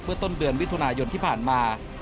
เพื่อต้นเดือนวิทยุนายนที่ผ่านมา